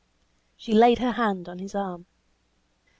She laid her hand on his arm.